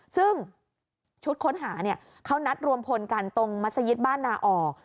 ซึ่งชุดค้นหาเขานัดรวมพลกันตรงมัศยิตบ้านนาออก